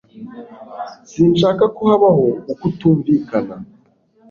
Sinshaka ko habaho ukutumvikana